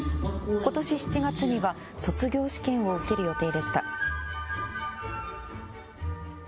ことし７月には卒業試験を受ける予定でした。